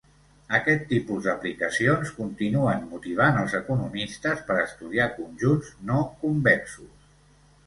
Aquest tipus d'aplicacions continuen motivant els economistes per estudiar conjunts no convexos.